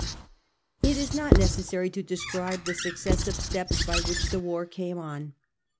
It is not necessary to describe the successive steps by which the war came on.